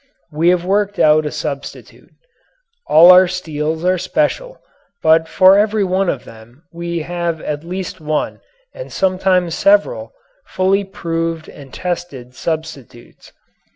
We have worked out a substitute. All our steels are special, but for every one of them we have at least one, and sometimes several, fully proved and tested substitutes.